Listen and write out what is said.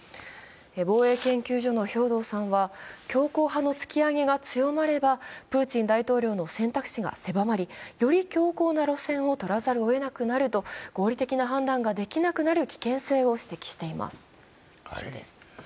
防衛研究所の兵頭さんは強硬派の突き上げが強まればプーチン大統領の選択肢が狭まり、より強硬な路線を取らざるをえなくなると合理的な判断ができなくなる危険性を指摘しています。